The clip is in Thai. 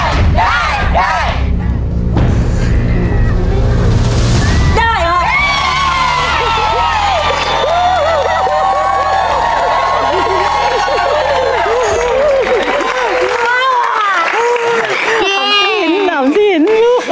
มากค่ะน้ำสีหินน้ำสีหิน